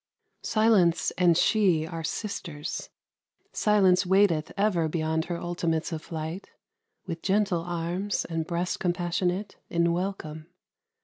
Silence and she are sisters. Silence waiteth Ever beyond her ultimates of flight, With gentle arms, and breast compassionate, In welcome.